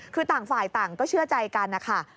คือต่างฝ่ายต่างก็เชื่อใจกันนะคะ